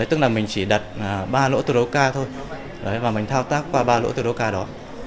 tức là mình chỉ đặt ba lỗ tư đấu ca thôi và mình thao tác qua ba lỗ tư đấu ca đó